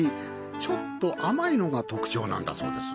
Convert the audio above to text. ちょっと甘いのが特徴なんだそうです。